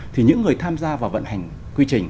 thì những người tham gia vào vận hành quy trình